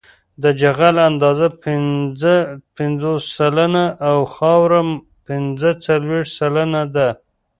د جغل اندازه پنځه پنځوس سلنه او خاوره پنځه څلویښت سلنه ده